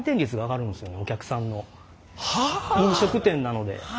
飲食店なので。